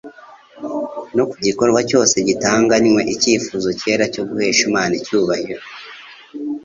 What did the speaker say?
no ku gikorwa cyose gitanganywe icyifuzo cyera cyo guhesha Imana icyubahiro.